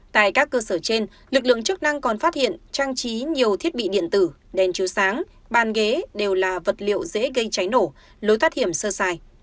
tại các cơ sở trên lực lượng chức năng còn phát hiện trang trí nhiều thiết bị điện tử đèn chiếu sáng bàn ghế đều là vật liệu dễ gây cháy nổ lối thoát hiểm sơ xài